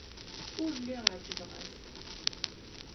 Ur lliɣ ɛejbeɣ-as.